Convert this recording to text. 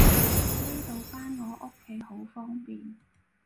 呢度返我屋企好方便